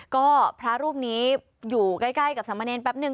ก็พระรูปนี้อยู่ใกล้กับสัมมาเนรนดิ์แป๊บนึง